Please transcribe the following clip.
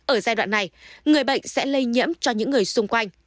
ở giai đoạn này người bệnh sẽ lây nhiễm cho những người xung quanh